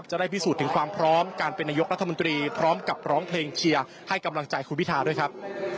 จะได้พิสูจน์ถึงความพร้อมการเป็นนายกรัฐมนตรีพร้อมกับร้องเพลงเชียร์ให้กำลังใจคุณพิธาด้วยครับ